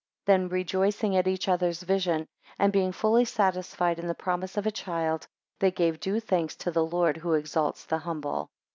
9 Then, rejoicing at each other's vision, and being fully satisfied in the promise of a child, they gave due thanks to the Lord, who exalts the humble.